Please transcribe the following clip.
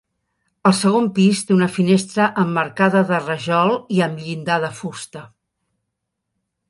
El segon pis té una finestra emmarcada de rajol i amb llinda de fusta.